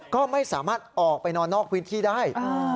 ก็ไม่สามารถออกไปนอนนอกพื้นที่ได้